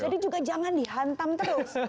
jadi juga jangan dihantam terus